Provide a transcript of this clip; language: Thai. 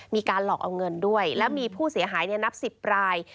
มีการหลอกเอาเงินด้วยแล้วมีผู้เสียหายนับ๑๐ราย